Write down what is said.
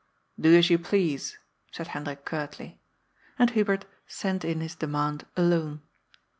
^^Do as yoa please,^ said Hendrik cnrtly. And Hubert sent in his demand alone.